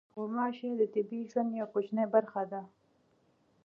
غوماشې د طبیعي ژوند یوه کوچنۍ برخه ده.